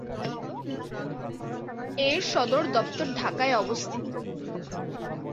এর সদর দপ্তর ঢাকায় অবস্থিত।